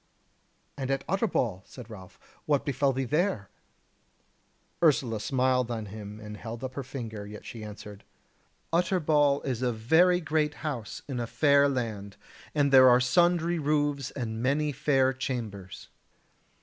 "And at Utterbol," said Ralph, "what befell thee there?" Ursula smiled on him, and held up her finger; yet she answered: "Utterbol is a very great house in a fair land, and there are sundry roofs and many fair chambers.